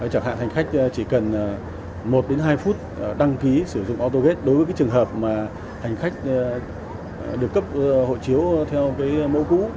chẳng hạn hành khách chỉ cần một hai phút đăng ký sử dụng autogate đối với trường hợp mà hành khách được cấp hộ chiếu theo mẫu cũ